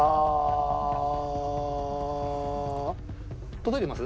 届いてます？